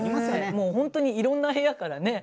もうほんとにいろんな部屋からね。